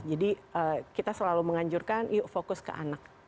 jadi kita selalu menganjurkan yuk fokus ke anak